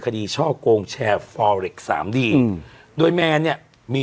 ช่อกงแชร์ฟอเล็กสามดีอืมโดยแมนเนี่ยมี